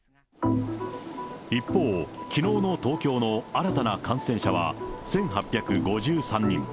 一方、きのうの東京の新たな感染者は１８５３人。